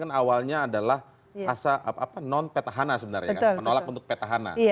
kan awalnya adalah asa non petahana sebenarnya kan menolak untuk petahana